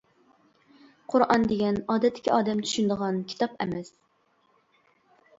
قۇرئان دېگەن ئادەتتىكى ئادەم چۈشىنىدىغان كىتاب ئەمەس.